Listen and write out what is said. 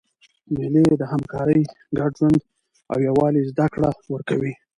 مېلې د همکارۍ، ګډ ژوند او یووالي زدهکړه ورکوي.